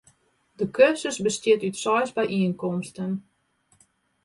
De kursus bestiet út seis byienkomsten.